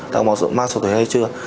đã có mạng sửa thuê hay chưa